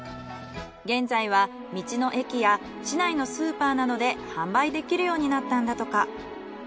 現在は道の駅や市内のスーパーなどで販売できるようになったんだとか。